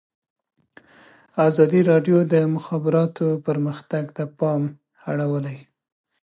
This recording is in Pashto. ازادي راډیو د د مخابراتو پرمختګ ته پام اړولی.